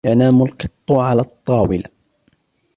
ينام القط على الطاولة.